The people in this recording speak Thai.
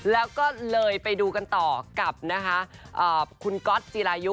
แล้วก็เลยไปดูกันต่อกับนะคะคุณก๊อตจีรายุ